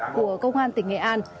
của công an tỉnh nghệ an